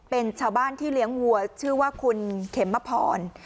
เป็นชาวบ้านที่เลี้ยงวัวชื่อว่าคุณเข็มมะพร